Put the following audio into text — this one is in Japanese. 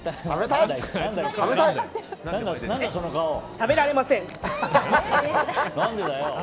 食べられません。